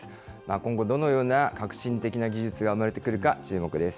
今後、どのような革新的な技術が生まれてくるか、注目です。